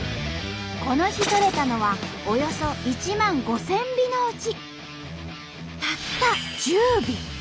この日とれたのはおよそ１万５，０００尾のうちたった１０尾。